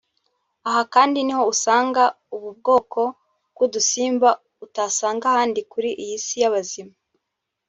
Aha kandi niho usanga ubu bwoko bw’udusimba utasanga ahandi kuri iyi si y’abazima